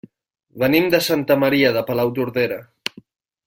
Venim de Santa Maria de Palautordera.